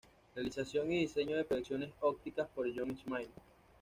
Realización y diseño de proyecciones ópticas por John Smiley.